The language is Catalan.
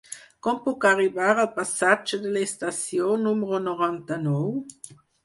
Com puc arribar al passatge de l'Estació número noranta-nou?